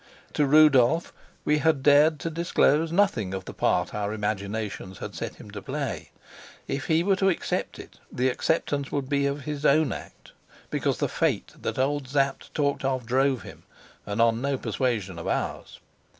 To Rudolf we had dared to disclose nothing of the part our imaginations set him to play: if he were to accept it, the acceptance would be of his own act, because the fate that old Sapt talked of drove him, and on no persuasion of ours.